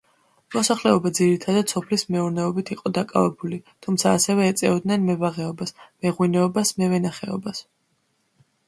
მოსახლეობა ძირითადად სოფლის მეურნეობით იყო დაკავებული, თუმცა ასევე ეწეოდნენ მებაღეობას, მეღვინეობას, მევენახეობას.